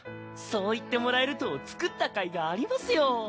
そう言ってもらえると作った甲斐がありますよ。